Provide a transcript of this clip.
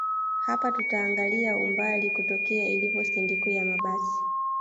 Hapa tutaangalia umbali kutokea ilipo stendi kuu ya mabasi